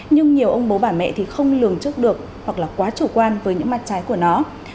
nhưng nhiều ông bố bà mẹ thì không lường trước được hoặc là quá chủ quan với những mặt trái của nó